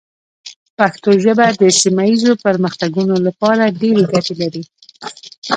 پښتو ژبه د سیمه ایزو پرمختګونو لپاره ډېرې ګټې لري.